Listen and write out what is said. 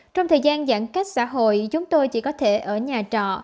trong thời gian giãn cách xã hội chúng tôi chỉ có thể ở nhà trọ